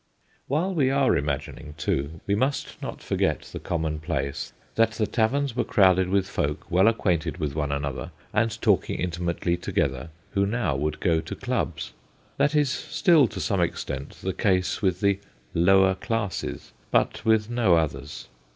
While we are imagining, too, we must not forget the commonplace that the taverns were crowded with folk well acquainted with one another and talking intimately together, who now would go to clubs. That is still to some extent the case with the ' lower classes/ but with no others.